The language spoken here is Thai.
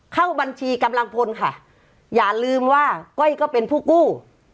เข้าบัญชีกำลังพลค่ะอย่าลืมว่าก้อยก็เป็นผู้กู้